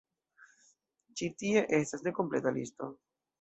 Ĉi tie estas nekompleta listo.